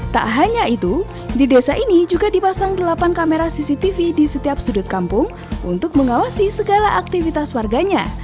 tak hanya itu di desa ini juga dipasang delapan kamera cctv di setiap sudut kampung untuk mengawasi segala aktivitas warganya